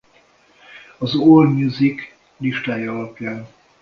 Az AllMusic listája alapján.